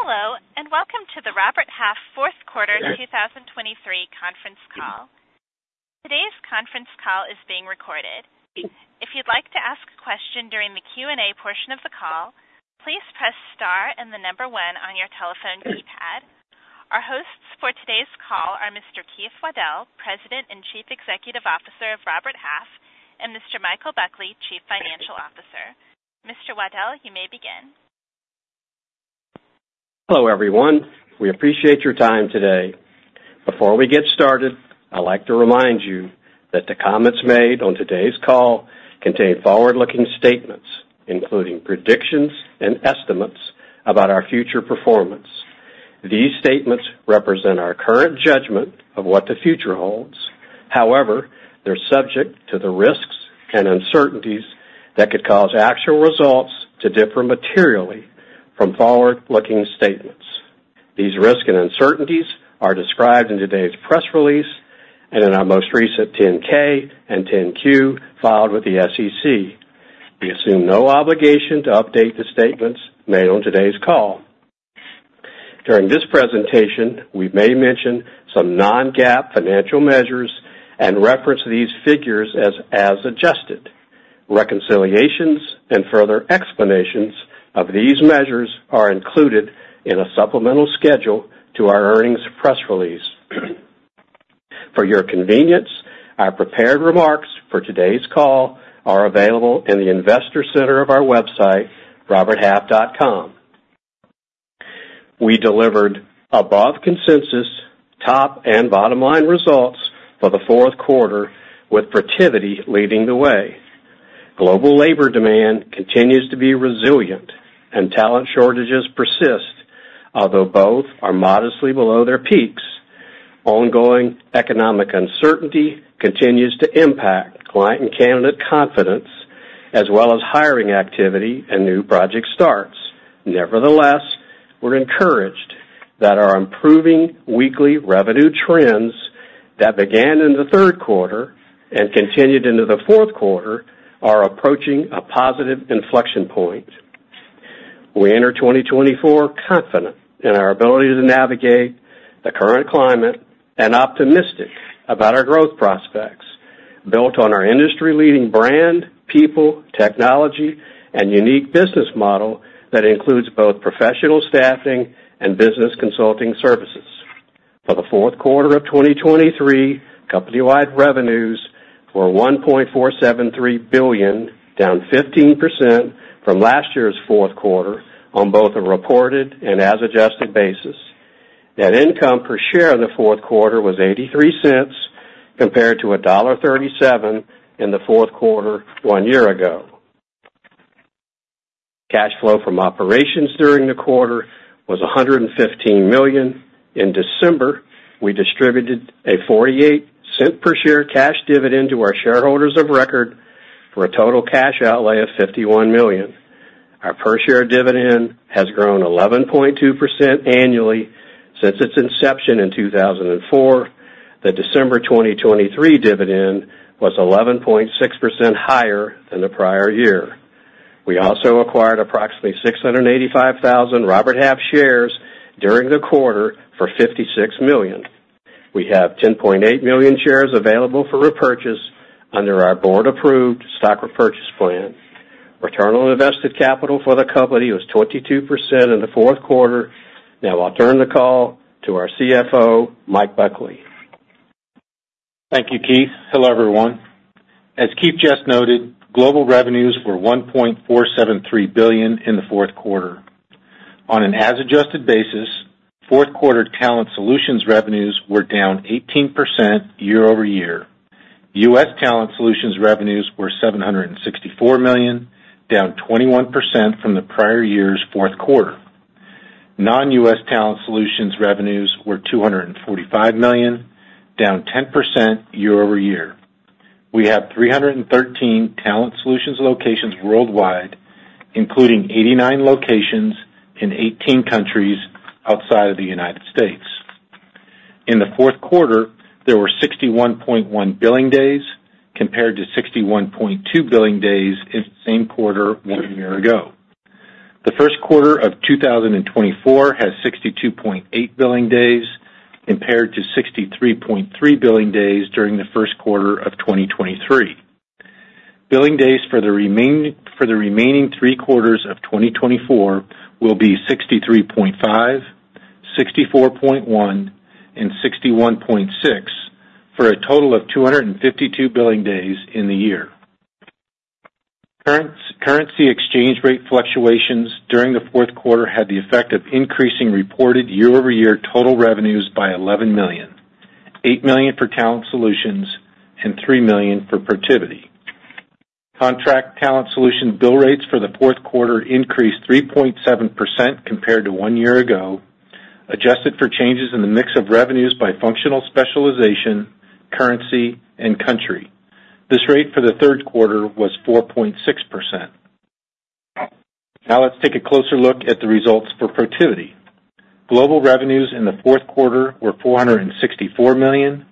Hello, and welcome to the Robert Half fourth 2023 conference call. Today's conference call is being recorded. If you'd like to ask a question during the Q&A portion of the call, please press Star and the number 1 on your telephone keypad. Our hosts for today's call are Mr. Keith Waddell, President and Chief Executive Officer of Robert Half, and Mr. Michael Buckley, Chief Financial Officer. Mr. Waddell, you may begin. Hello, everyone. We appreciate your time today. Before we get started, I'd like to remind you that the comments made on today's call contain forward-looking statements, including predictions and estimates about our future performance. These statements represent our current judgment of what the future holds. However, they're subject to the risks and uncertainties that could cause actual results to differ materially from forward-looking statements. These risks and uncertainties are described in today's press release and in our most recent 10-K and 10-Q filed with the SEC. We assume no obligation to update the statements made on today's call. During this presentation, we may mention some non-GAAP financial measures and reference these figures as adjusted. Reconciliations and further explanations of these measures are included in a supplemental schedule to our earnings press release. For your convenience, our prepared remarks for today's call are available in the investor center of our website, roberthalf.com. We delivered above consensus, top and bottom line results for the fourth quarter, with Protiviti leading the way. Global labor demand continues to be resilient and talent shortages persist, although both are modestly below their peaks. Ongoing economic uncertainty continues to impact client and candidate confidence, as well as hiring activity and new project starts. Nevertheless, we're encouraged that our improving weekly revenue trends that began in the third quarter and continued into the fourth quarter are approaching a positive inflection point. We enter 2024 confident in our ability to navigate the current climate and optimistic about our growth prospects, built on our industry-leading brand, people, technology, and unique business model that includes both professional staffing and business consulting services. For the fourth quarter of 2023, company-wide revenues were $1.473 billion, down 15% from last year's fourth quarter on both a reported and as adjusted basis. Net income per share in the fourth quarter was $0.83, compared to $1.37 in the fourth quarter one year ago. Cash flow from operations during the quarter was $115 million. In December, we distributed a $0.48 per share cash dividend to our shareholders of record for a total cash outlay of $51 million. Our per share dividend has grown 11.2% annually since its inception in 2004. The December 2023 dividend was 11.6% higher than the prior year. We also acquired approximately 685,000 Robert Half shares during the quarter for $56 million. We have 10.8 million shares available for repurchase under our board-approved stock repurchase plan. Return on invested capital for the company was 22% in the fourth quarter. Now I'll turn the call to our CFO, Mike Buckley. Thank you, Keith. Hello, everyone. As Keith just noted, global revenues were $1.473 billion in the fourth quarter. On an as adjusted basis, fourth quarter Talent Solutions revenues were down 18% year-over-year. U.S. Talent Solutions revenues were $764 million, down 21% from the prior year's fourth quarter. Non-U.S. Talent Solutions revenues were $245 million, down 10% year-over-year. We have 313 Talent Solutions locations worldwide, including 89 locations in 18 countries outside of the United States. In the fourth quarter, there were 61.1 billing days, compared to 61.2 billing days in the same quarter one year ago. The first quarter of 2024 has 62.8 billing days, compared to 63.3 billing days during the first quarter of 2023. Billing days for the remaining three quarters of 2024 will be 63.5, 64.1, and 61.6, for a total of 252 billing days in the year. Currency exchange rate fluctuations during the fourth quarter had the effect of increasing reported year-over-year total revenues by $11 million, $8 million for Talent Solutions and $3 million for Protiviti. Contract Talent Solution bill rates for the fourth quarter increased 3.7% compared to one year ago, adjusted for changes in the mix of revenues by functional specialization, currency, and country. This rate for the third quarter was 4.6%. Now let's take a closer look at the results for Protiviti. Global revenues in the fourth quarter were $464 million....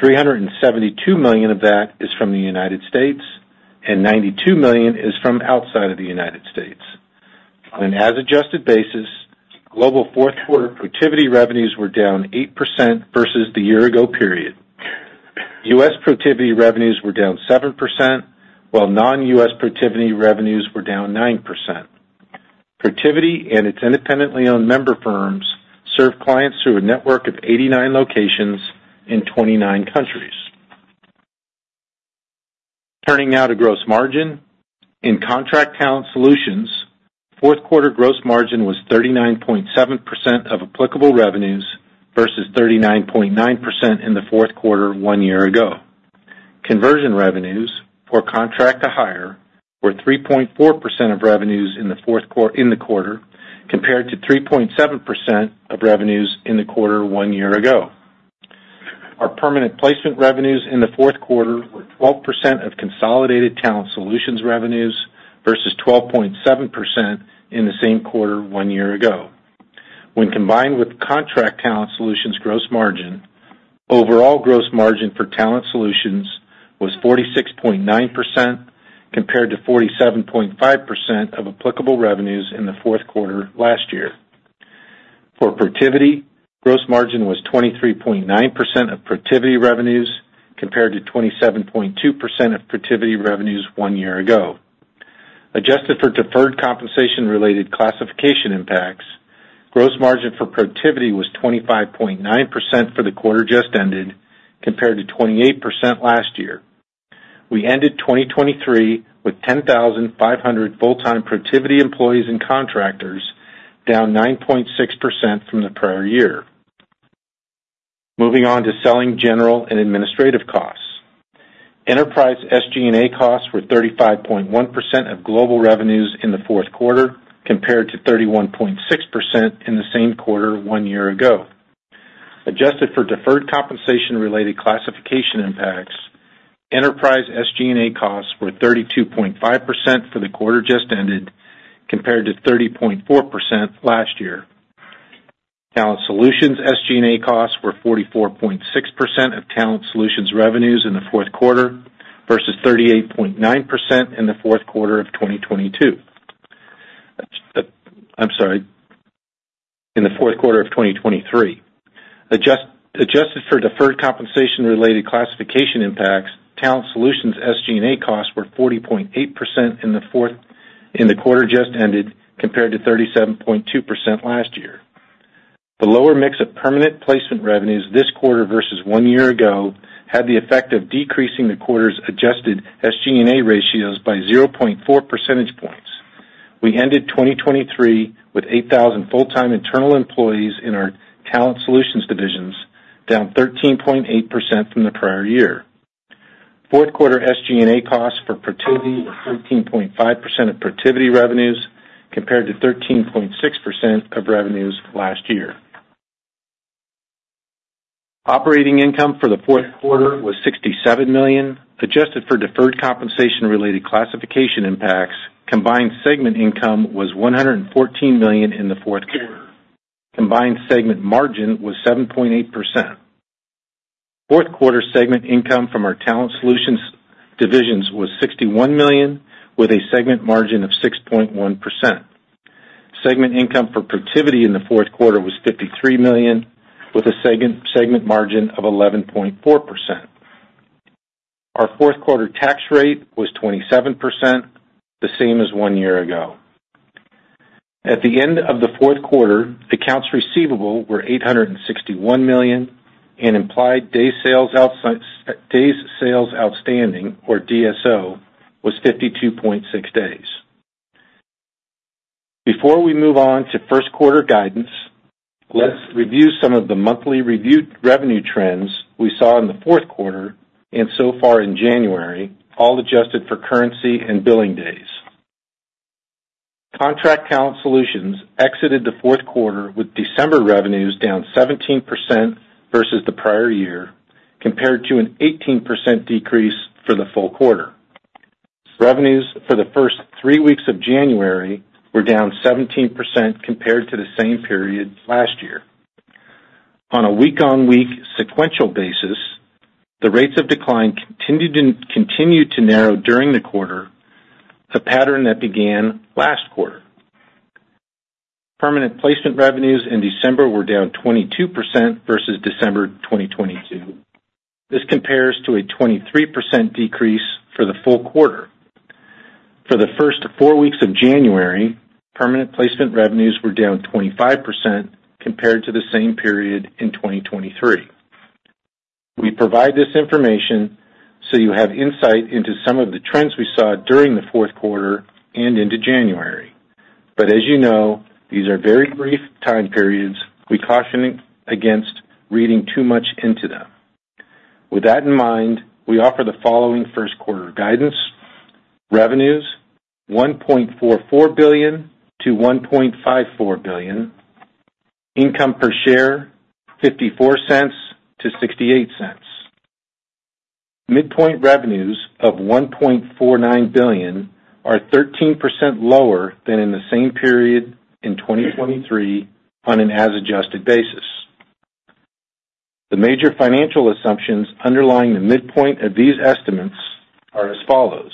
$372 million of that is from the United States, and $92 million is from outside of the United States. On an as adjusted basis, global fourth quarter Protiviti revenues were down 8% versus the year ago period. US Protiviti revenues were down 7%, while non-US Protiviti revenues were down 9%. Protiviti and its independently owned member firms serve clients through a network of 89 locations in 29 countries. Turning now to gross margin. In Contract Talent Solutions, fourth quarter gross margin was 39.7% of applicable revenues versus 39.9% in the fourth quarter one year ago. Conversion revenues for contract to hire were 3.4% of revenues in the quarter, compared to 3.7% of revenues in the quarter one year ago. Our permanent placement revenues in the fourth quarter were 12% of consolidated talent solutions revenues, versus 12.7% in the same quarter one year ago. When combined with contract talent solutions gross margin, overall gross margin for talent solutions was 46.9%, compared to 47.5% of applicable revenues in the fourth quarter last year. For Protiviti, gross margin was 23.9% of Protiviti revenues, compared to 27.2% of Protiviti revenues one year ago. Adjusted for deferred compensation-related classification impacts, gross margin for Protiviti was 25.9% for the quarter just ended, compared to 28% last year. We ended 2023 with 10,500 full-time Protiviti employees and contractors, down 9.6% from the prior year. Moving on to selling, general, and administrative costs. Enterprise SG&A costs were 35.1% of global revenues in the fourth quarter, compared to 31.6% in the same quarter one year ago. Adjusted for deferred compensation-related classification impacts, enterprise SG&A costs were 32.5% for the quarter just ended, compared to 30.4% last year. Talent Solutions SG&A costs were 44.6% of Talent Solutions revenues in the fourth quarter, versus 38.9% in the fourth quarter of 2022. I'm sorry, in the fourth quarter of 2023. Adjusted for deferred compensation-related classification impacts, Talent Solutions SG&A costs were 40.8% in the quarter just ended, compared to 37.2% last year. The lower mix of permanent placement revenues this quarter versus one year ago had the effect of decreasing the quarter's adjusted SG&A ratios by 0.4 percentage points. We ended 2023 with 8,000 full-time internal employees in our Talent Solutions divisions, down 13.8% from the prior year. Fourth quarter SG&A costs for Protiviti were 13.5% of Protiviti revenues, compared to 13.6% of revenues last year. Operating income for the fourth quarter was $67 million, adjusted for deferred compensation-related classification impacts. Combined segment income was $114 million in the fourth quarter. Combined segment margin was 7.8%. Fourth quarter segment income from our Talent Solutions divisions was $61 million, with a segment margin of 6.1%. Segment income for Protiviti in the fourth quarter was $53 million, with a segment margin of 11.4%. Our fourth quarter tax rate was 27%, the same as one year ago. At the end of the fourth quarter, accounts receivable were $861 million, and implied days sales outstanding, or DSO, was 52.6 days. Before we move on to first quarter guidance, let's review some of the revenue trends we saw in the fourth quarter and so far in January, all adjusted for currency and billing days. Contract Talent Solutions exited the fourth quarter with December revenues down 17% versus the prior year, compared to an 18% decrease for the full quarter. Revenues for the first three weeks of January were down 17% compared to the same period last year. On a week-over-week sequential basis, the rates of decline continued to narrow during the quarter, a pattern that began last quarter. Permanent placement revenues in December were down 22% versus December 2022. This compares to a 23% decrease for the full quarter. For the first four weeks of January, permanent placement revenues were down 25% compared to the same period in 2023. We provide this information so you have insight into some of the trends we saw during the fourth quarter and into January. But as you know, these are very brief time periods. We caution against reading too much into them. With that in mind, we offer the following first quarter guidance. Revenues; $1.44 billion to $1.54 billion. Income per share, $0.54 to $0.68. Midpoint revenues of $1.49 billion are 13% lower than in the same period in 2023 on an as adjusted basis. The major financial assumptions underlying the midpoint of these estimates are as follows: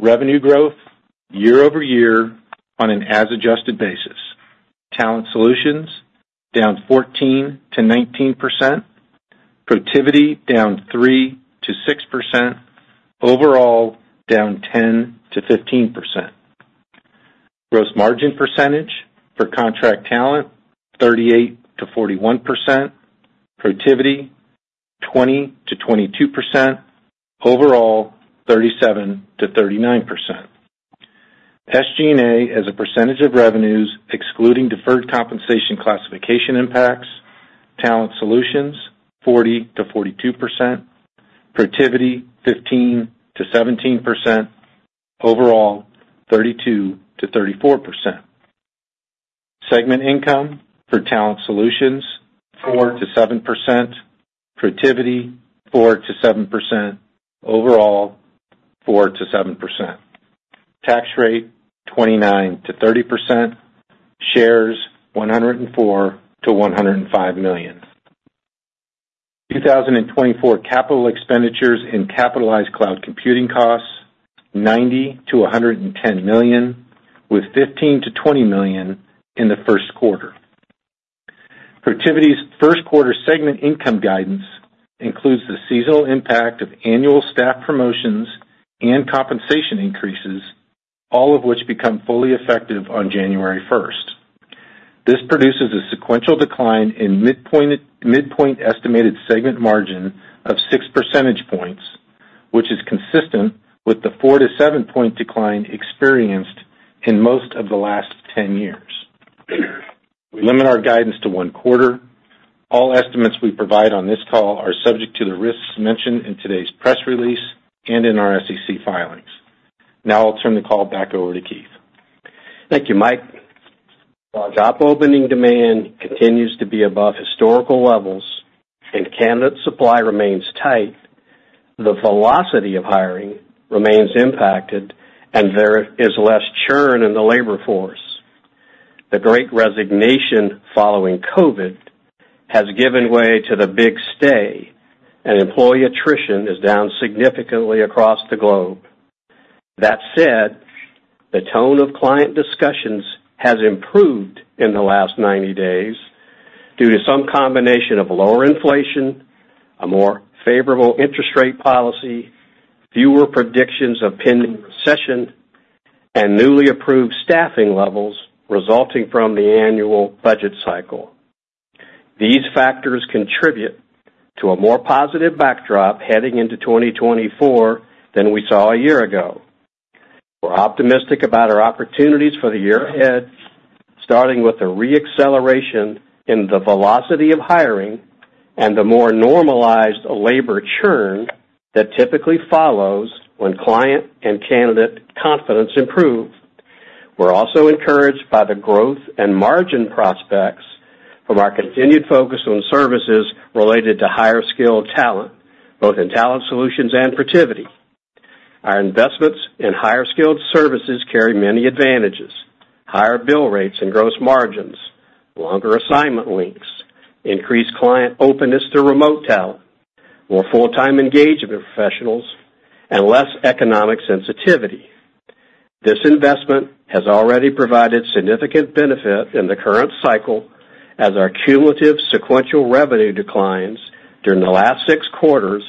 Revenue growth year-over-year on an as adjusted basis. Talent Solutions, down 14% to 19%. Protiviti, down 3% to 6%. Overall, down 10% to 15%. Gross margin percentage for contract talent, 38% to 41%. Protiviti, 20% to 22%. Overall, 37% to 39%. SG&A, as a percentage of revenues, excluding deferred compensation classification impacts, Talent Solutions, 40% to 42%. Protiviti, 15% to 17%. Overall, 32% to 34%. Segment income for Talent Solutions, 4% to 7%. Protiviti, 4% to 7%. Overall, 4% to 7%. Tax rate, 29% to 30%. Shares, 104 million to 105 million. 2024 capital expenditures and capitalized cloud computing costs, $90 million-$110 million, with $15 million-$20 million in the first quarter. Protiviti's first quarter segment income guidance includes the seasonal impact of annual staff promotions and compensation increases, all of which become fully effective on January first. This produces a sequential decline in midpoint estimated segment margin of 6 percentage points, which is consistent with the 4-7-point decline experienced in most of the last 10 years. We limit our guidance to 1 quarter. All estimates we provide on this call are subject to the risks mentioned in today's press release and in our SEC filings. Now I'll turn the call back over to Keith. Thank you, Mike. While job opening demand continues to be above historical levels and candidate supply remains tight, the velocity of hiring remains impacted and there is less churn in the labor force. The Great Resignation following COVID has given way to the Big Stay, and employee attrition is down significantly across the globe. That said, the tone of client discussions has improved in the last 90 days due to some combination of lower inflation, a more favorable interest rate policy, fewer predictions of pending recession, and newly approved staffing levels resulting from the annual budget cycle. These factors contribute to a more positive backdrop heading into 2024 than we saw a year ago. We're optimistic about our opportunities for the year ahead, starting with the re-acceleration in the velocity of hiring and the more normalized labor churn that typically follows when client and candidate confidence improve. We're also encouraged by the growth and margin prospects from our continued focus on services related to higher skilled talent, both in Talent Solutions and Protiviti. Our investments in higher skilled services carry many advantages, higher bill rates and gross margins, longer assignment links, increased client openness to remote talent, more full-time engagement professionals, and less economic sensitivity. This investment has already provided significant benefit in the current cycle as our cumulative sequential revenue declines during the last six quarters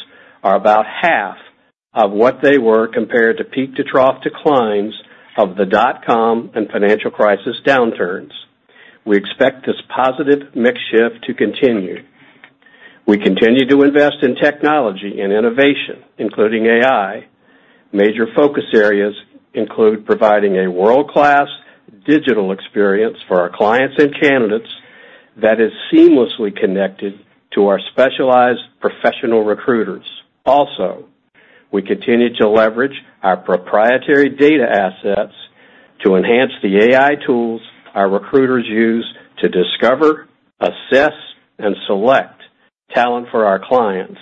are about half of what they were compared to peak-to-trough declines of the dot-com and financial crisis downturns. We expect this positive mix shift to continue. We continue to invest in technology and innovation, including AI. Major focus areas include providing a world-class digital experience for our clients and candidates that is seamlessly connected to our specialized professional recruiters. Also, we continue to leverage our proprietary data assets to enhance the AI tools our recruiters use to discover, assess, and select talent for our clients,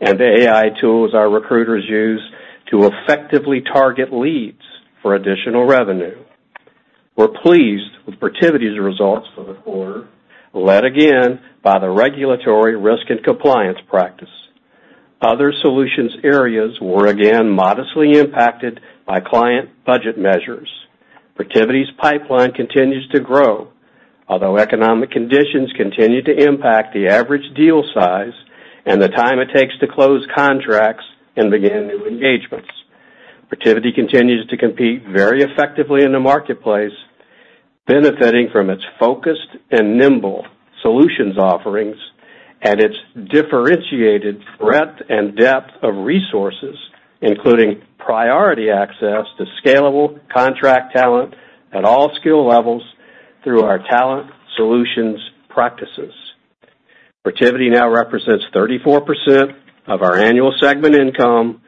and the AI tools our recruiters use to effectively target leads for additional revenue. We're pleased with Protiviti's results for the quarter, led again by the regulatory risk and compliance practice. Other solutions areas were again modestly impacted by client budget measures. Protiviti's pipeline continues to grow, although economic conditions continue to impact the average deal size and the time it takes to close contracts and begin new engagements. Protiviti continues to compete very effectively in the marketplace, benefiting from its focused and nimble solutions offerings and its differentiated breadth and depth of resources, including priority access to scalable contract talent at all skill levels through our talent solutions practices. Protiviti now represents 34% of our annual segment income.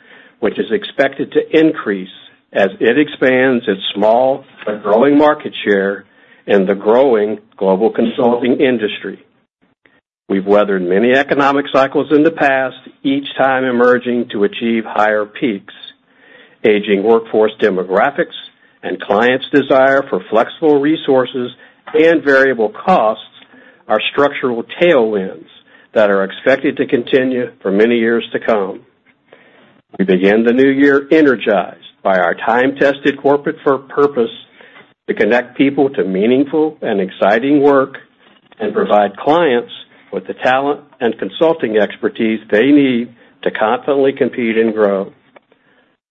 which is expected to increase as it expands its small but growing market share in the growing global consulting industry. We've weathered many economic cycles in the past, each time emerging to achieve higher peaks. Aging workforce demographics and clients' desire for flexible resources and variable costs are structural tailwinds that are expected to continue for many years to come. We begin the new year energized by our time-tested corporate purpose to connect people to meaningful and exciting work and provide clients with the talent and consulting expertise they need to confidently compete and grow.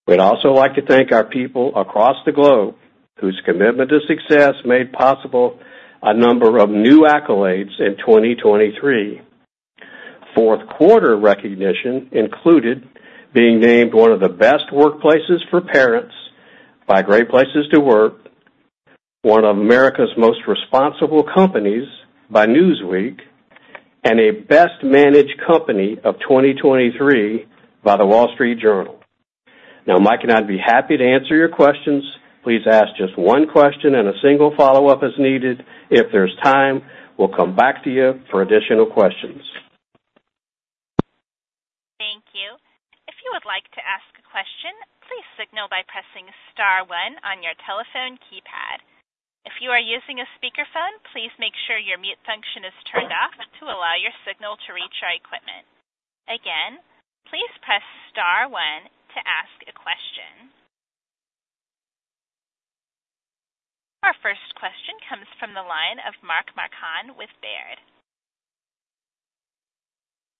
We'd also like to thank our people across the globe, whose commitment to success made possible a number of new accolades in 2023. Fourth quarter recognition included being named one of the Best Workplaces for Parents by Great Place to Work, one of America's Most Responsible Companies by Newsweek, and a Best-Managed Company of 2023 by The Wall Street Journal. Now, Mike and I’d be happy to answer your questions. Please ask just one question and a single follow-up as needed. If there's time, we'll come back to you for additional questions. Thank you. If you would like to ask a question, please signal by pressing star one on your telephone keypad. If you are using a speakerphone, please make sure your mute function is turned off to allow your signal to reach our equipment. Again, please press star one to ask a question. Our first question comes from the line of Mark Marcon with Baird.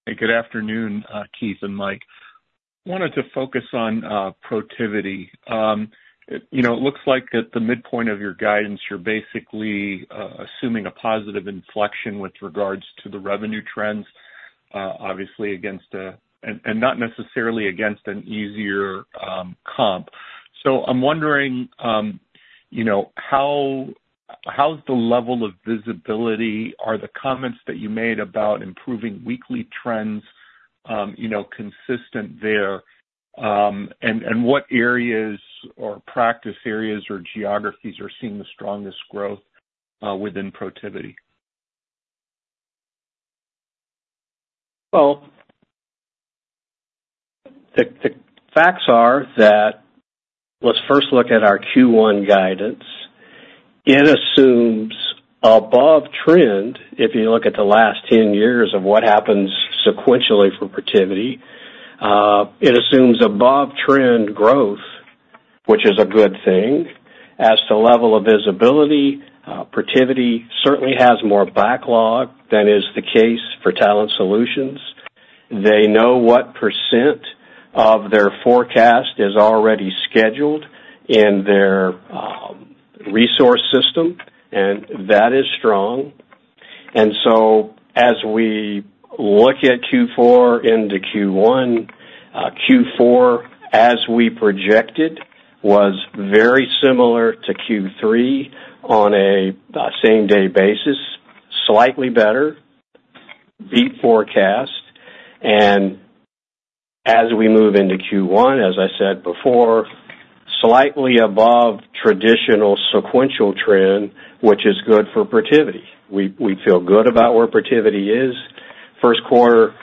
Hey, good afternoon, Keith and Mike. Wanted to focus on Protiviti. It, you know, it looks like at the midpoint of your guidance, you're basically assuming a positive inflection with regards to the revenue trends, obviously against a and not necessarily against an easier comp. So I'm wondering, you know, how's the level of visibility? Are the comments that you made about improving weekly trends, you know, consistent there? And what areas or practice areas or geographies are seeing the strongest growth within Protiviti? Well, the facts are that let's first look at our Q1 guidance. It assumes above trend, if you look at the last 10 years of what happens sequentially for Protiviti, it assumes above trend growth, which is a good thing. As to level of visibility, Protiviti certainly has more backlog than is the case for Talent Solutions. They know what percent of their forecast is already scheduled in their resource system, and that is strong. And so as we look at Q4 into Q1, Q4, as we projected, was very similar to Q3 on a same-day basis, slightly better, beat forecast. And as we move into Q1, as I said before, slightly above traditional sequential trend, which is good for Protiviti. We feel good about where Protiviti is. First quarter,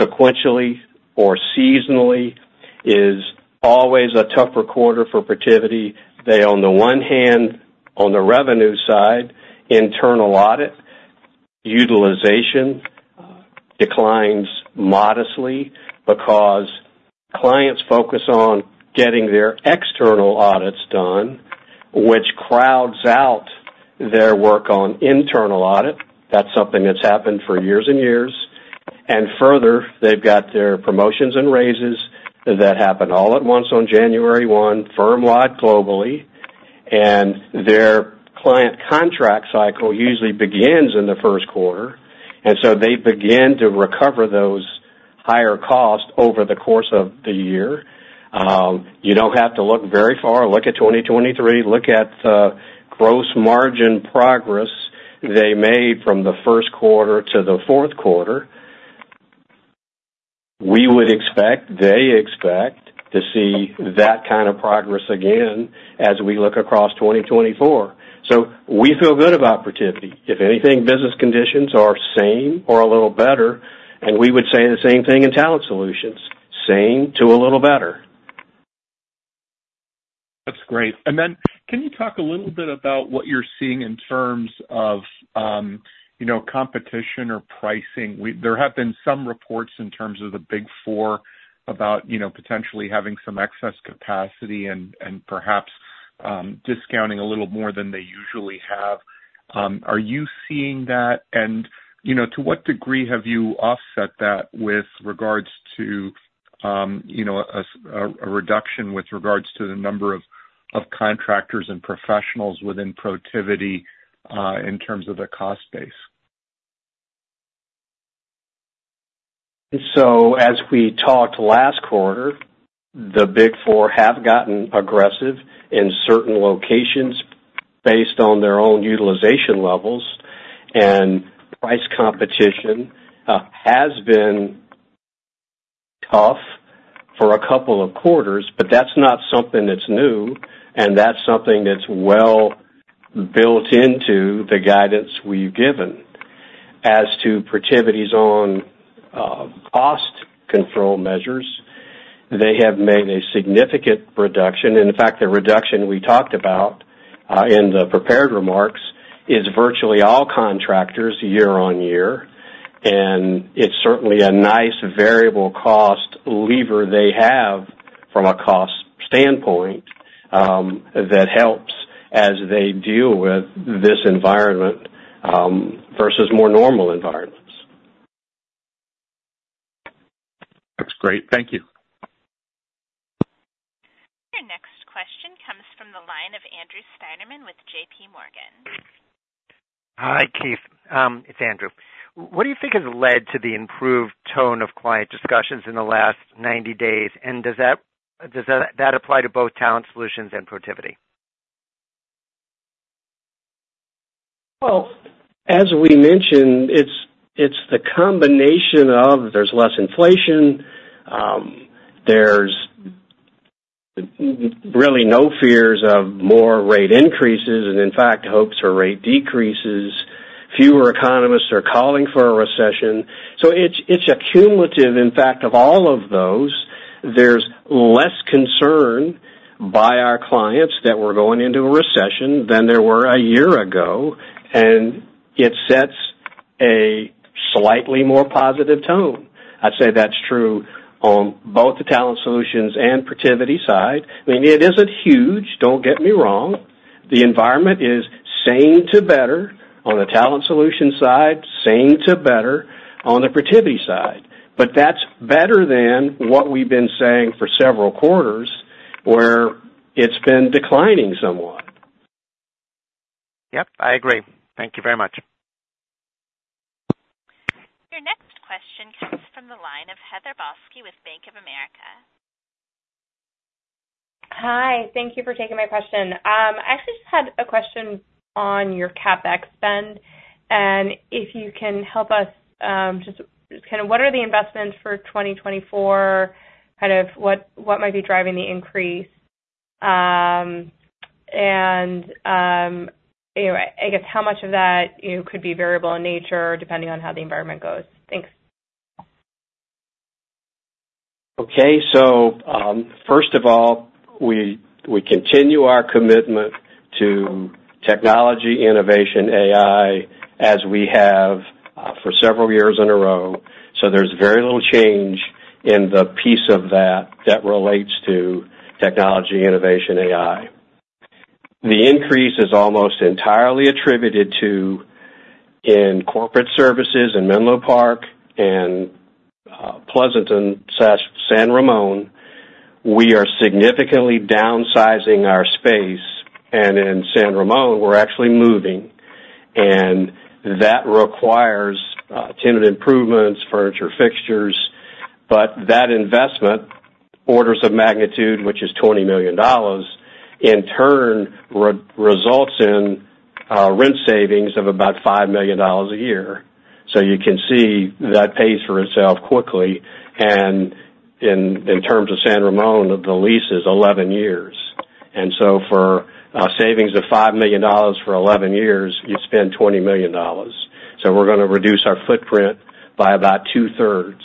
sequentially or seasonally, is always a tougher quarter for Protiviti. They, on the one hand, on the revenue side, internal audit, utilization declines modestly because clients focus on getting their external audits done, which crowds out their work on internal audit. That's something that's happened for years and years. And further, they've got their promotions and raises that happen all at once on January 1, firm-wide, globally, and their client contract cycle usually begins in the first quarter, and so they begin to recover those higher costs over the course of the year. You don't have to look very far. Look at 2023. Look at the gross margin progress they made from the first quarter to the fourth quarter. We would expect, they expect to see that kind of progress again as we look across 2024. So we feel good about Protiviti. If anything, business conditions are same or a little better, and we would say the same thing in Talent Solutions, same to a little better. That's great. And then, can you talk a little bit about what you're seeing in terms of, you know, competition or pricing? There have been some reports in terms of the Big Four about, you know, potentially having some excess capacity and perhaps discounting a little more than they usually have. Are you seeing that? And, you know, to what degree have you offset that with regards to, you know, a reduction with regards to the number of contractors and professionals within Protiviti, in terms of the cost base? So as we talked last quarter, the Big Four have gotten aggressive in certain locations based on their own utilization levels, and price competition has been tough for a couple of quarters, but that's not something that's new, and that's something that's well built into the guidance we've given. As to Protiviti's own cost control measures, they have made a significant reduction. In fact, the reduction we talked about in the prepared remarks is virtually all contractors year on year, and it's certainly a nice variable cost lever they have from a cost standpoint, that helps as they deal with this environment, versus more normal environments. That's great. Thank you. Your next question comes from the line of Andrew Steinerman with JPMorgan. Hi, Keith. It's Andrew. What do you think has led to the improved tone of client discussions in the last 90 days, and does that apply to both Talent Solutions and Protiviti? Well, as we mentioned, it's, it's the combination of there's less inflation, there's really no fears of more rate increases, and in fact, hopes for rate decreases. Fewer economists are calling for a recession. So it's, it's a cumulative, in fact, of all of those. There's less concern by our clients that we're going into a recession than there were a year ago, and it sets a slightly more positive tone. I'd say that's true on both the Talent Solutions and Protiviti side. I mean, it isn't huge, don't get me wrong. The environment is same to better on the Talent Solutions side, same to better on the Protiviti side. But that's better than what we've been saying for several quarters, where it's been declining somewhat. Yep, I agree. Thank you very much. Your next question comes from the line of Heather Balsky with Bank of America. Hi, thank you for taking my question. I actually just had a question on your CapEx spend, and if you can help us, just kind of what are the investments for 2024, kind of what, what might be driving the increase? And, anyway, I guess how much of that, you know, could be variable in nature depending on how the environment goes? Thanks. Okay. So, first of all, we continue our commitment to technology, innovation, AI, as we have for several years in a row. So there's very little change in the piece of that that relates to technology, innovation, AI. The increase is almost entirely attributed to, in corporate services in Menlo Park and Pleasanton/San Ramon, we are significantly downsizing our space, and in San Ramon, we're actually moving, and that requires tenant improvements, furniture, fixtures. But that investment, orders of magnitude, which is $20 million, in turn, results in rent savings of about $5 million a year. So you can see that pays for itself quickly. And in terms of San Ramon, the lease is 11 years. And so for a savings of $5 million for 11 years, you spend $20 million. We're gonna reduce our footprint by about two-thirds.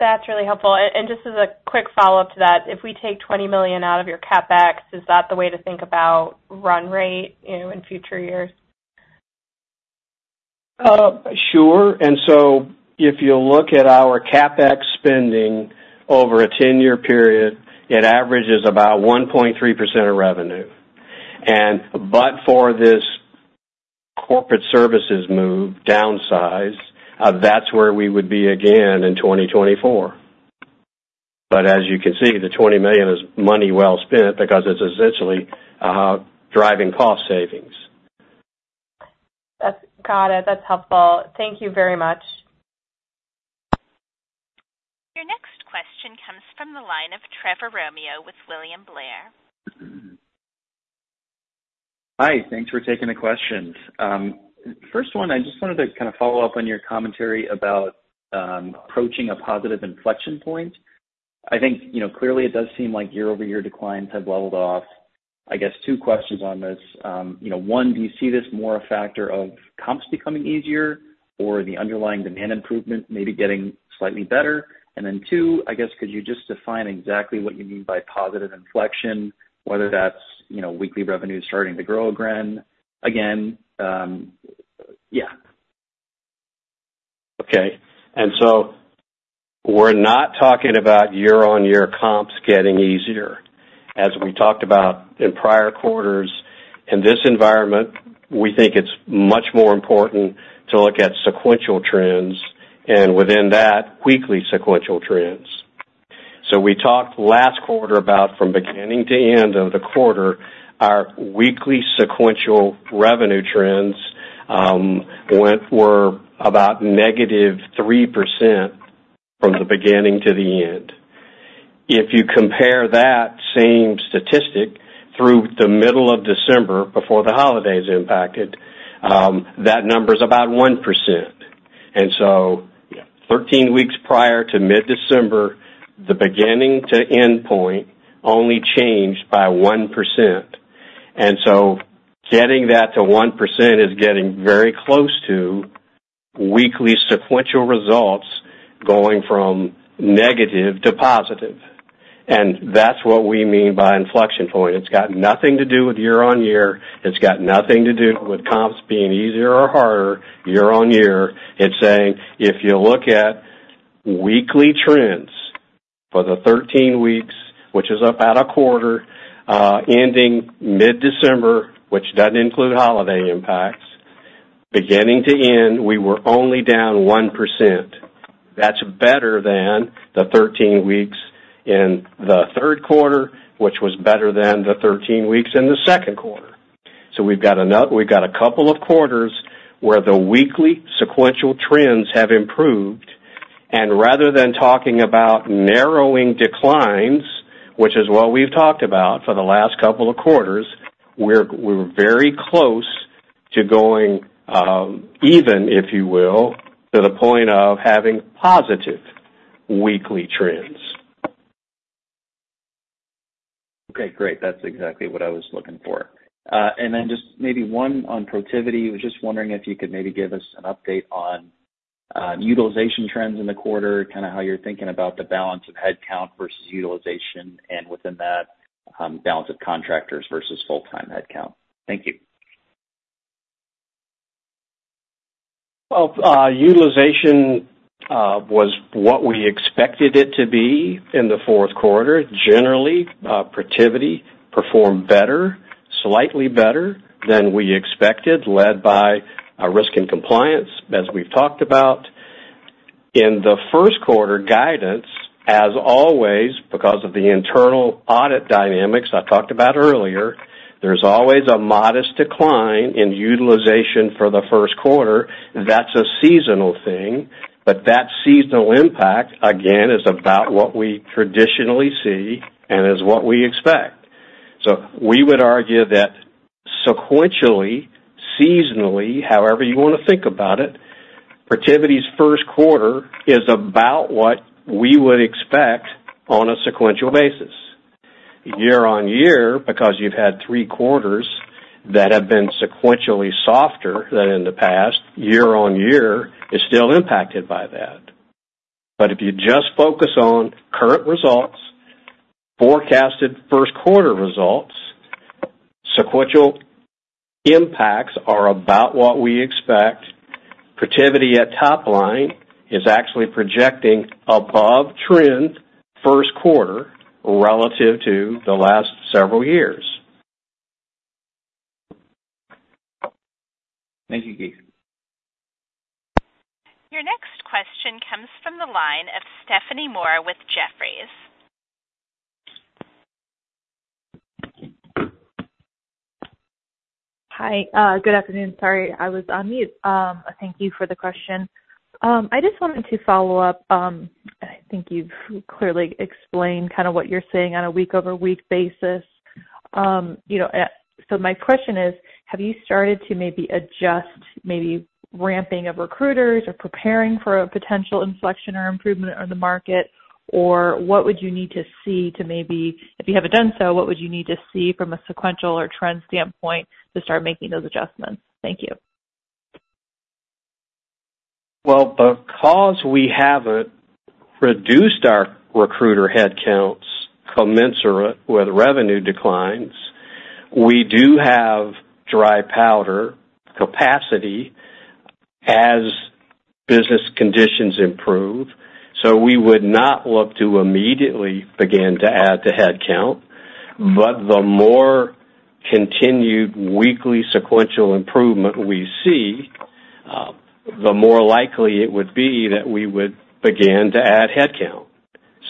That's really helpful. And, just as a quick follow-up to that, if we take $20 million out of your CapEx, is that the way to think about run rate, you know, in future years? Sure. And so if you look at our CapEx spending over a ten-year period, it averages about 1.3% of revenue. But for this corporate services move, downsize, that's where we would be again in 2024. But as you can see, the $20 million is money well spent because it's essentially driving cost savings. That's... Got it. That's helpful. Thank you very much. Your next question comes from the line of Trevor Romeo with William Blair. Hi, thanks for taking the questions. First one, I just wanted to kind of follow up on your commentary about approaching a positive inflection point. I think, you know, clearly it does seem like year-over-year declines have leveled off. I guess two questions on this. You know, one, do you see this more a factor of comps becoming easier or the underlying demand improvement maybe getting slightly better? And then two, I guess, could you just define exactly what you mean by positive inflection, whether that's, you know, weekly revenue starting to grow again, again, yeah. Okay. And so we're not talking about year-over-year comps getting easier. As we talked about in prior quarters, in this environment, we think it's much more important to look at sequential trends, and within that, weekly sequential trends. So we talked last quarter about from beginning to end of the quarter, our weekly sequential revenue trends were about negative 3% from the beginning to the end. If you compare that same statistic through the middle of December, before the holidays impacted, that number's about 1%. And so 13 weeks prior to mid-December, the beginning to end point only changed by 1%. And so getting that to 1% is getting very close to weekly sequential results going from negative to positive. And that's what we mean by inflection point. It's got nothing to do with year-over-year. It's got nothing to do with comps being easier or harder year-over-year. It's saying, if you look at weekly trends for the 13 weeks, which is about a quarter, ending mid-December, which doesn't include holiday impacts, beginning to end, we were only down 1%. That's better than the 13 weeks in the third quarter, which was better than the 13 weeks in the second quarter. So we've got a couple of quarters where the weekly sequential trends have improved, and rather than talking about narrowing declines, which is what we've talked about for the last couple of quarters, we're very close to going even, if you will, to the point of having positive weekly trends. Okay, great. That's exactly what I was looking for. And then just maybe one on Protiviti. I was just wondering if you could maybe give us an update on utilization trends in the quarter, kind of how you're thinking about the balance of headcount versus utilization, and within that, balance of contractors versus full-time headcount. Thank you. Well, utilization was what we expected it to be in the fourth quarter. Generally, Protiviti performed better, slightly better than we expected, led by risk and compliance, as we've talked about. In the first quarter guidance, as always, because of the internal audit dynamics I talked about earlier, there's always a modest decline in utilization for the first quarter. That's a seasonal thing, but that seasonal impact, again, is about what we traditionally see and is what we expect. So we would argue that sequentially, seasonally, however you want to think about it, Protiviti's first quarter is about what we would expect on a sequential basis. Year-over-year, because you've had three quarters that have been sequentially softer than in the past, year-over-year is still impacted by that. But if you just focus on current results, forecasted first quarter results, sequential impacts are about what we expect. Protiviti at top line is actually projecting above-trend first quarter relative to the last several years. Thank you, Keith. Your next question comes from the line of Stephanie Moore with Jefferies. Hi, good afternoon. Sorry, I was on mute. Thank you for the question. I just wanted to follow up, I think you've clearly explained kind of what you're seeing on a week-over-week basis. You know, so my question is: have you started to maybe adjust, maybe ramping of recruiters or preparing for a potential inflection or improvement in the market? Or what would you need to see to maybe... If you haven't done so, what would you need to see from a sequential or trend standpoint to start making those adjustments? Thank you. Well, because we haven't reduced our recruiter headcounts commensurate with revenue declines, we do have dry powder capacity as business conditions improve. So we would not look to immediately begin to add to headcount, but the more continued weekly sequential improvement we see, the more likely it would be that we would begin to add headcount.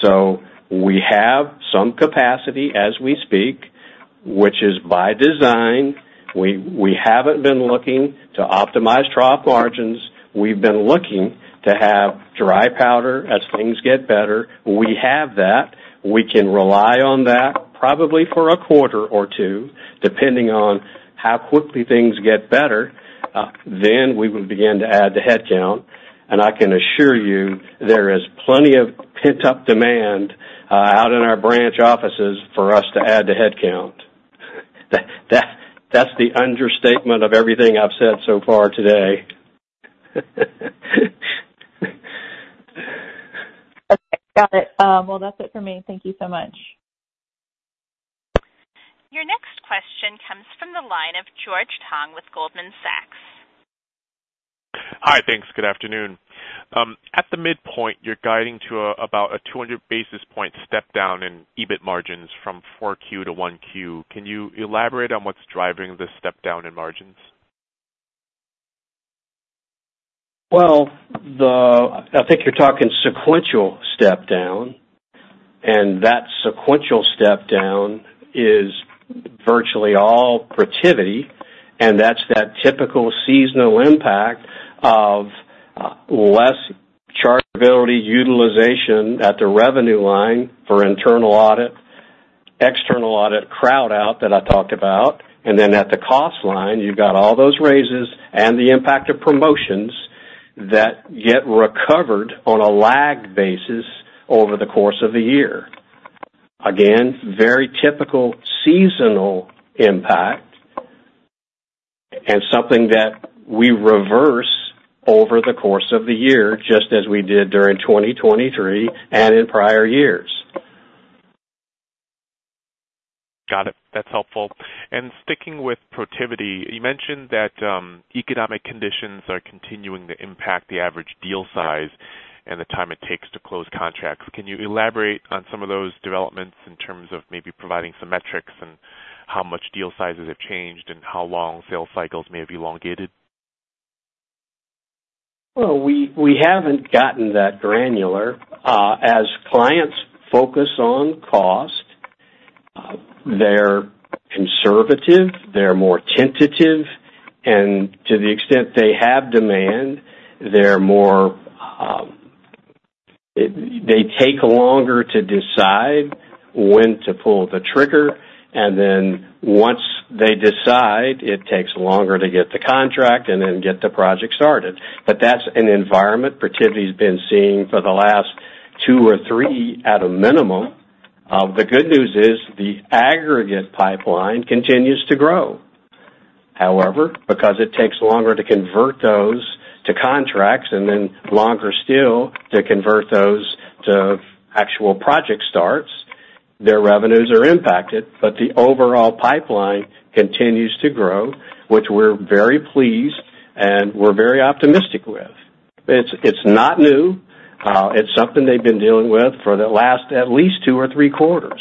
So we have some capacity as we speak, which is by design. We haven't been looking to optimize trough margins. We've been looking to have dry powder as things get better. We have that. We can rely on that probably for a quarter or two, depending on how quickly things get better, then we will begin to add the headcount. And I can assure you, there is plenty of pent-up demand out in our branch offices for us to add to headcount. That's the understatement of everything I've said so far today. Okay, got it. Well, that's it for me. Thank you so much. Your next question comes from the line of George Tong with Goldman Sachs. Hi, thanks. Good afternoon. At the midpoint, you're guiding to about a 200 basis point step down in EBIT margins from 4Q to 1Q. Can you elaborate on what's driving this step down in margins? Well, I think you're talking sequential step down, and that sequential step down is virtually all Protiviti, and that's that typical seasonal impact of less chargeability utilization at the revenue line for internal audit, external audit crowd out that I talked about. And then at the cost line, you've got all those raises and the impact of promotions that get recovered on a lagged basis over the course of the year. Again, very typical seasonal impact and something that we reverse over the course of the year, just as we did during 2023 and in prior years. Got it. That's helpful. And sticking with Protiviti, you mentioned that economic conditions are continuing to impact the average deal size and the time it takes to close contracts. Can you elaborate on some of those developments in terms of maybe providing some metrics and how much deal sizes have changed and how long sales cycles may have elongated? Well, we haven't gotten that granular. As clients focus on cost, they're conservative, they're more tentative, and to the extent they have demand, they're more, they take longer to decide when to pull the trigger, and then once they decide, it takes longer to get the contract and then get the project started. But that's an environment Protiviti's been seeing for the last two or three at a minimum. The good news is the aggregate pipeline continues to grow. However, because it takes longer to convert those to contracts and then longer still to convert those to actual project starts, their revenues are impacted, but the overall pipeline continues to grow, which we're very pleased and we're very optimistic with. It's not new. It's something they've been dealing with for the last at least two or three quarters.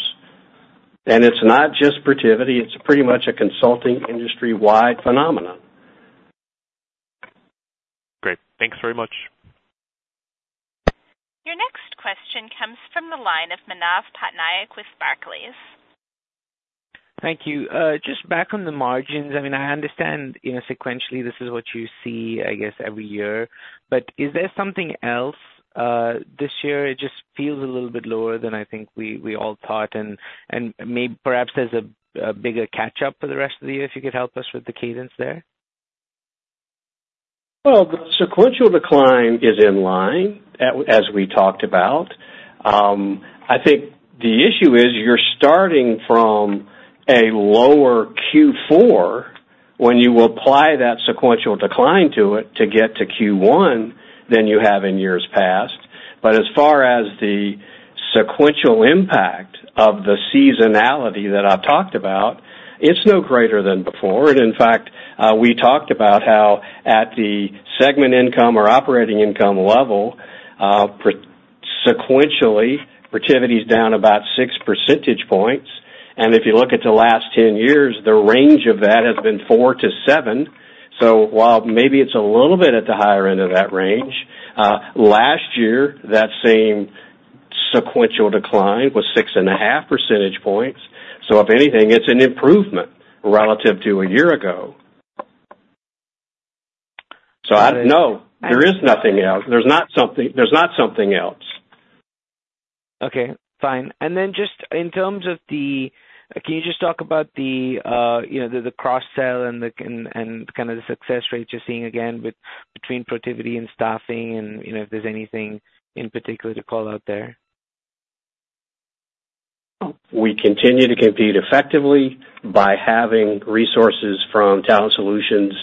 It's not just Protiviti, it's pretty much a consulting industry-wide phenomenon. Great. Thanks very much. Your next question comes from the line of Manav Patnaik with Barclays. Thank you. Just back on the margins. I mean, I understand, you know, sequentially, this is what you see, I guess, every year, but is there something else this year? It just feels a little bit lower than I think we all thought, and maybe perhaps there's a bigger catch up for the rest of the year, if you could help us with the cadence there. Well, the sequential decline is in line, as we talked about. I think the issue is you're starting from a lower Q4 when you apply that sequential decline to it to get to Q1 than you have in years past. But as far as the sequential impact of the seasonality that I've talked about, it's no greater than before. In fact, we talked about how at the segment income or operating income level, sequentially, Protiviti's down about 6 percentage points. And if you look at the last 10 years, the range of that has been 4-7. So while maybe it's a little bit at the higher end of that range, last year, that same sequential decline was 6.5 percentage points. So if anything, it's an improvement relative to a year ago. So I don't know. There is nothing else. There's not something, there's not something else. Okay, fine. And then just in terms of the... Can you just talk about the, you know, the cross sell and the, and, and kind of the success rates you're seeing again with between Protiviti and staffing and, you know, if there's anything in particular to call out there? We continue to compete effectively by having resources from Talent Solutions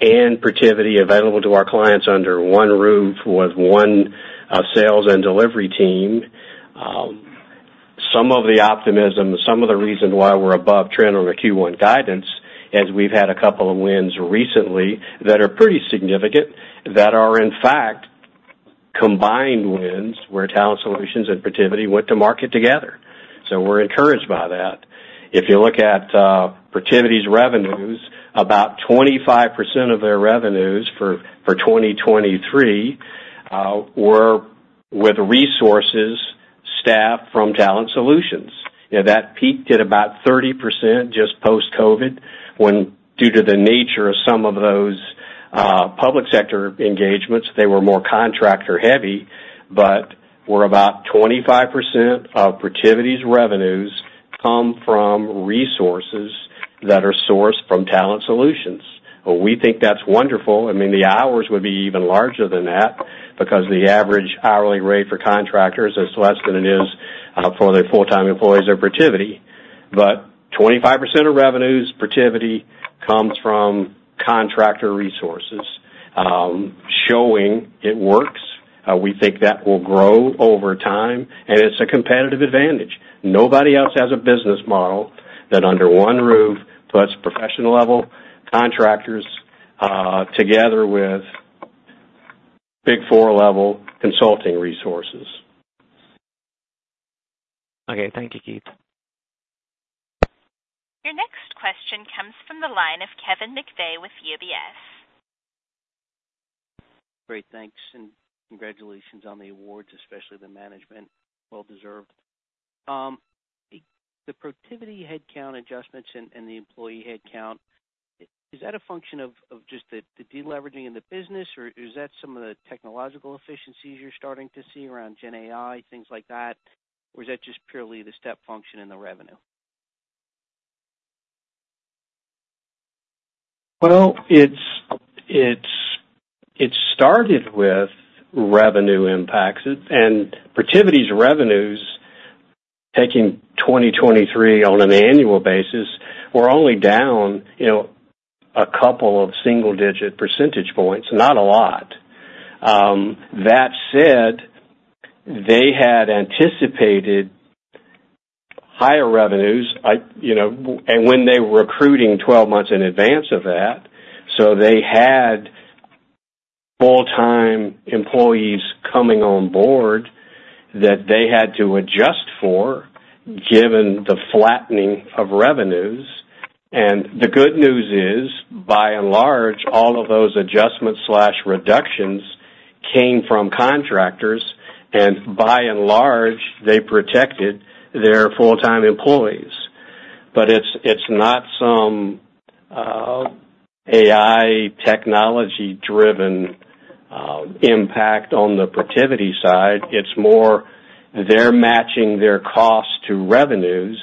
and Protiviti available to our clients under one roof with one sales and delivery team. Some of the optimism, some of the reason why we're above trend on the Q1 guidance, is we've had a couple of wins recently that are pretty significant, that are, in fact, combined wins, where Talent Solutions and Protiviti went to market together. So we're encouraged by that. If you look at Protiviti's revenues, about 25% of their revenues for 2023 were with resources staffed from Talent Solutions. You know, that peaked at about 30% just post-COVID, when due to the nature of some of those public sector engagements, they were more contractor-heavy, but 25% of Protiviti's revenues come from resources that are sourced from Talent Solutions. We think that's wonderful. I mean, the hours would be even larger than that because the average hourly rate for contractors is less than it is for the full-time employees of Protiviti. But 25% of revenues, Protiviti, comes from contractor resources, showing it works. We think that will grow over time, and it's a competitive advantage. Nobody else has a business model that under one roof, puts professional-level contractors together with Big Four-level consulting resources. Okay. Thank you, Keith. Your next question comes from the line of Kevin McVeigh with UBS. Great, thanks, and congratulations on the awards, especially the management. Well deserved. The Protiviti headcount adjustments and the employee headcount, is that a function of just the deleveraging in the business, or is that some of the technological efficiencies you're starting to see around Gen AI, things like that? Or is that just purely the step function in the revenue? Well, it's, it started with revenue impacts. Protiviti's revenues, taking 2023 on an annual basis, were only down, you know, a couple of single-digit percentage points, not a lot. That said, they had anticipated higher revenues, I you know, and when they were recruiting 12 months in advance of that, so they had full-time employees coming on board that they had to adjust for, given the flattening of revenues. And the good news is, by and large, all of those adjustment slash reductions came from contractors, and by and large, they protected their full-time employees. But it's not some AI technology-driven impact on the Protiviti side. It's more they're matching their costs to revenues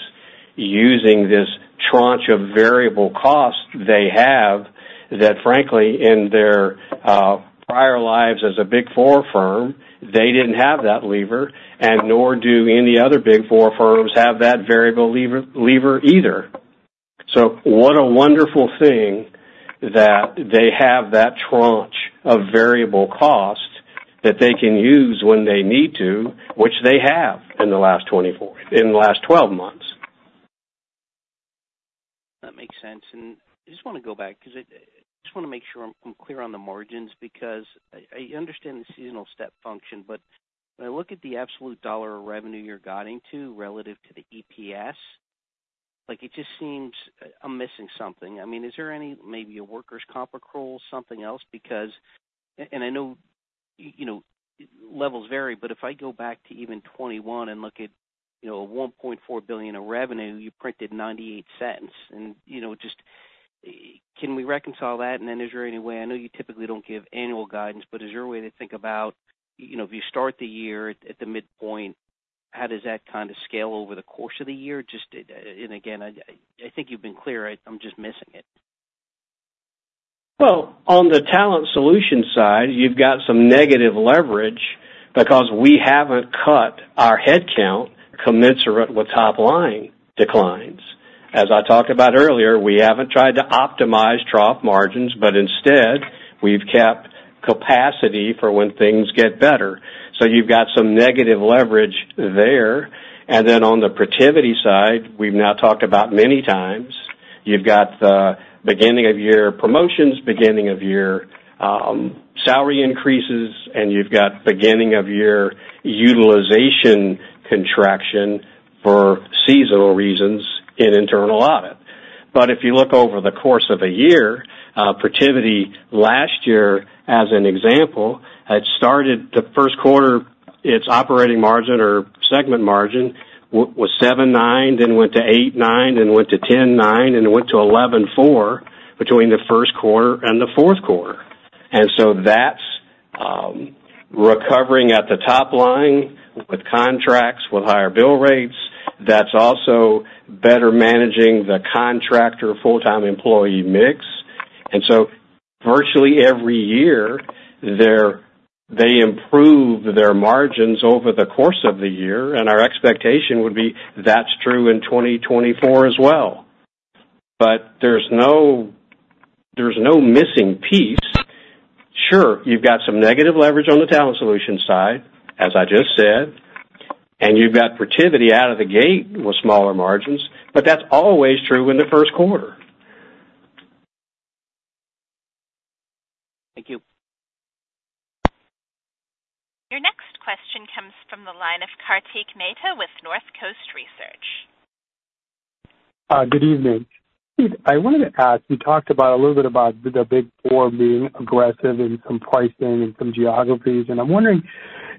using this tranche of variable costs they have that frankly, in their prior lives as a Big Four firm, they didn't have that lever, and nor do any other Big Four firms have that variable lever either. So what a wonderful thing that they have that tranche of variable cost that they can use when they need to, which they have in the last 24-- in the last 12 months. That makes sense. I just want to go back because I, I just want to make sure I'm, I'm clear on the margins, because I, I understand the seasonal step function, but when I look at the absolute dollar of revenue you're guiding to relative to the EPS, like, it just seems I'm missing something. I mean, is there any, maybe a workers' comp accrual, something else? Because... I know, you know, levels vary, but if I go back to even 2021 and look at, you know, a $1.4 billion of revenue, you printed $0.98. Just, can we reconcile that? And then is there any way I know you typically don't give annual guidance, but is there a way to think about, you know, if you start the year at the midpoint, how does that kind of scale over the course of the year? Just and again, I think you've been clear. I'm just missing it. Well, on the Talent Solutions side, you've got some negative leverage because we haven't cut our headcount commensurate with top-line declines. As I talked about earlier, we haven't tried to optimize trough margins, but instead, we've kept capacity for when things get better. So you've got some negative leverage there. And then on the Protiviti side, we've now talked about many times, you've got the beginning of year promotions, beginning of year salary increases, and you've got beginning of year utilization contraction for seasonal reasons in internal audit. But if you look over the course of a year, Protiviti last year, as an example, had started the first quarter, its operating margin or segment margin was 7.9%, then went to 8.9%, then went to 10.9%, and it went to 11.4% between the first quarter and the fourth quarter. And so that's recovering at the top line with contracts, with higher bill rates. That's also better managing the contractor full-time employee mix. And so virtually every year, they improve their margins over the course of the year, and our expectation would be that's true in 2024 as well. But there's no, there's no missing piece. Sure, you've got some negative leverage on the Talent Solutions side, as I just said, and you've got Protiviti out of the gate with smaller margins, but that's always true in the first quarter. Thank you. Your next question comes from the line of Kartik Mehta with North Coast Research. Good evening. I wanted to ask, you talked about a little bit about the Big Four being aggressive in some pricing and some geographies, and I'm wondering,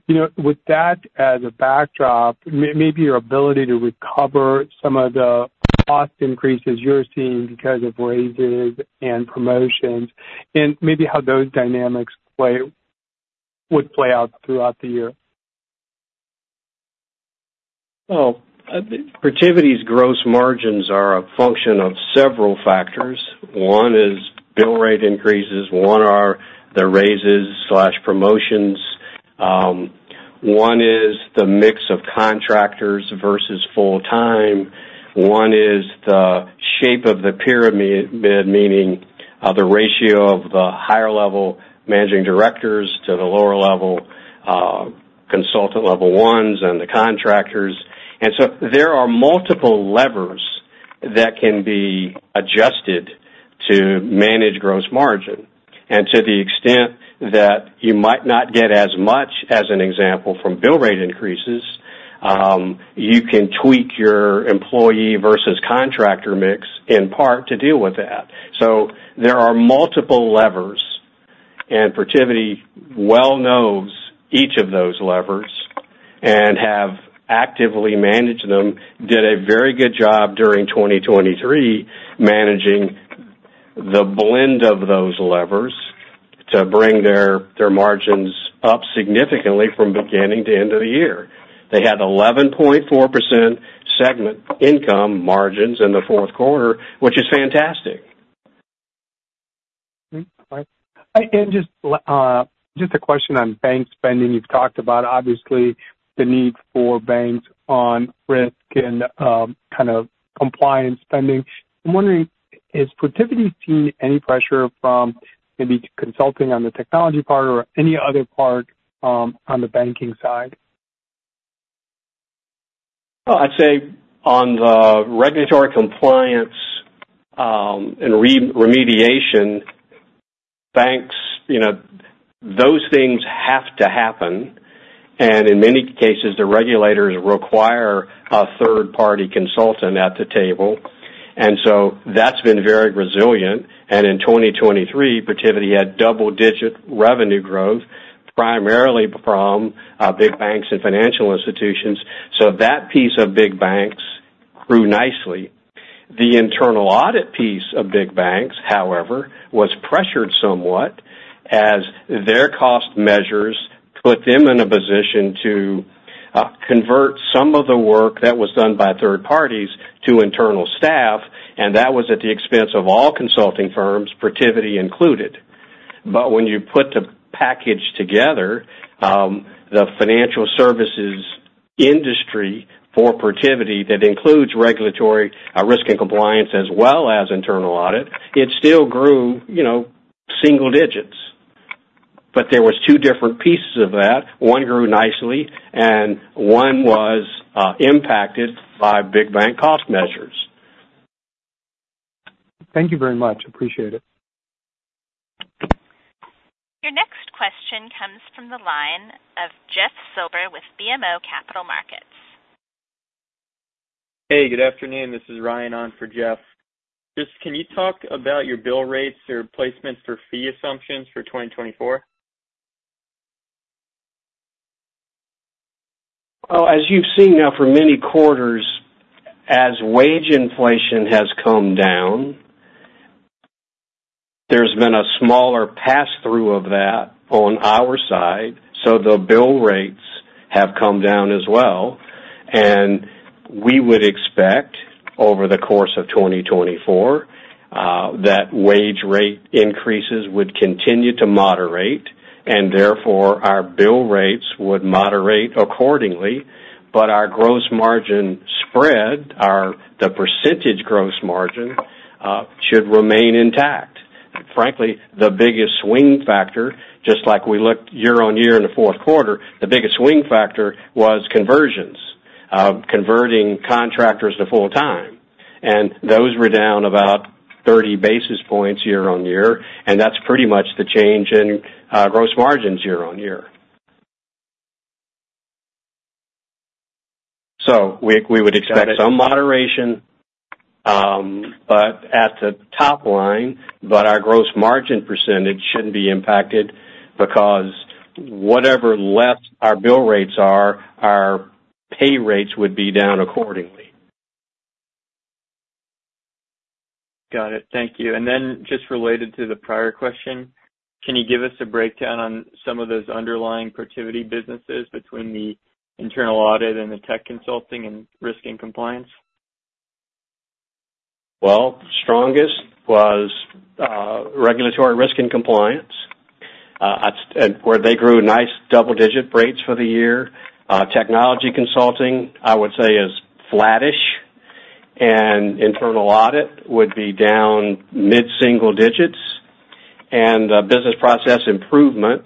you know, with that as a backdrop, maybe your ability to recover some of the cost increases you're seeing because of raises and promotions, and maybe how those dynamics play out throughout the year. Well, Protiviti's gross margins are a function of several factors. One is bill rate increases, one are the raises slash promotions, one is the mix of contractors versus full-time, one is the shape of the pyramid, meaning the ratio of the higher level managing directors to the lower level consultant level ones and the contractors. And so there are multiple levers that can be adjusted to manage gross margin. And to the extent that you might not get as much as an example from bill rate increases, you can tweak your employee versus contractor mix in part to deal with that. So there are multiple levers... Protiviti well knows each of those levers and have actively managed them, did a very good job during 2023, managing the blend of those levers to bring their, their margins up significantly from beginning to end of the year. They had 11.4% segment income margins in the fourth quarter, which is fantastic. Okay, and just, just a question on bank spending. You've talked about, obviously, the need for banks on risk and, kind of compliance spending. I'm wondering, is Protiviti seeing any pressure from maybe consulting on the technology part or any other part, on the banking side? Well, I'd say on the regulatory compliance and remediation, banks, you know, those things have to happen, and in many cases, the regulators require a third-party consultant at the table. And so that's been very resilient. And in 2023, Protiviti had double-digit revenue growth, primarily from big banks and financial institutions. So that piece of big banks grew nicely. The internal audit piece of big banks, however, was pressured somewhat as their cost measures put them in a position to convert some of the work that was done by third parties to internal staff, and that was at the expense of all consulting firms, Protiviti included. But when you put the package together, the financial services industry for Protiviti, that includes regulatory risk and compliance, as well as internal audit, it still grew, you know, single digits. But there was two different pieces of that. One grew nicely and one was impacted by big bank cost measures. Thank you very much. Appreciate it. Your next question comes from the line of Jeff Silber with BMO Capital Markets. Hey, good afternoon. This is Ryan on for Jeff. Just can you talk about your bill rates or placements for fee assumptions for 2024? Well, as you've seen now for many quarters, as wage inflation has come down, there's been a smaller passthrough of that on our side, so the bill rates have come down as well. And we would expect over the course of 2024, that wage rate increases would continue to moderate, and therefore, our bill rates would moderate accordingly. But our gross margin spread, our- the percentage gross margin, should remain intact. Frankly, the biggest swing factor, just like we looked year-over-year in the fourth quarter, the biggest swing factor was conversions. Converting contractors to full-time, and those were down about 30 basis points year-over-year, and that's pretty much the change in gross margins year-over-year. So we would expect some moderation, but at the top line, but our gross margin percentage shouldn't be impacted because whatever less our bill rates are, our pay rates would be down accordingly. Got it. Thank you. And then just related to the prior question, can you give us a breakdown on some of those underlying Protiviti businesses between the internal audit and the tech consulting and risk and compliance? Well, the strongest was regulatory risk and compliance, and where they grew nice double-digit rates for the year. Technology consulting, I would say, is flattish, and internal audit would be down mid-single digits. And, business process improvement,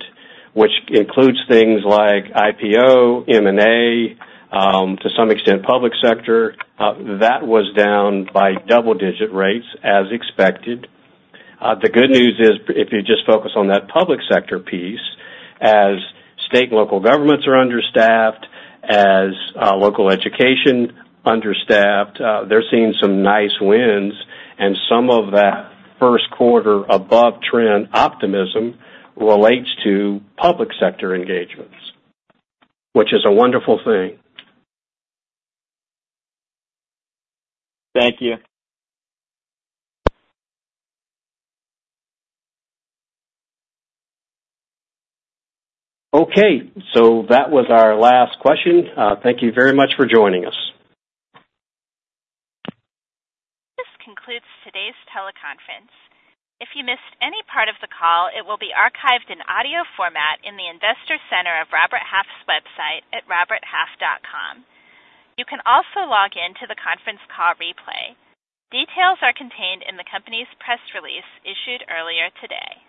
which includes things like IPO, M&A, to some extent, public sector, that was down by double-digit rates, as expected. The good news is, if you just focus on that public sector piece, as state and local governments are understaffed, as local education, understaffed, they're seeing some nice wins, and some of that first quarter above trend optimism relates to public sector engagements, which is a wonderful thing. Thank you. Okay, so that was our last question. Thank you very much for joining us. This concludes today's teleconference. If you missed any part of the call, it will be archived in audio format in the Investor Center of Robert Half's website at roberthalf.com. You can also log in to the conference call replay. Details are contained in the company's press release issued earlier today.